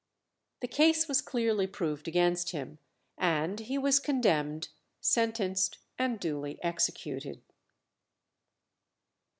The case was clearly proved against him, and he was condemned, sentenced, and duly executed.